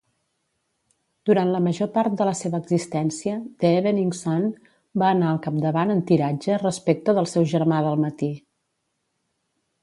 Durant la major part de la seva existència, "The Evening Sun" va anar al capdavant en tiratge respecte del seu germà del matí.